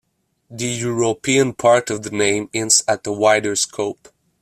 The 'European' part of the name hints at the wider scope.